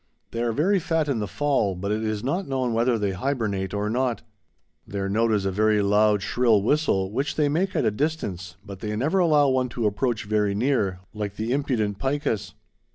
They are very fat in the fall, but it is not known whether they hibernate or not. Their note is a very loud shrill whistle, which they make at a distance, but they never allow one to approach very near, like the impudent picas.